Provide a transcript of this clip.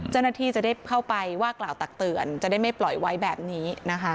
เจ้าหน้าที่จะได้เข้าไปว่ากล่าวตักเตือนจะได้ไม่ปล่อยไว้แบบนี้นะคะ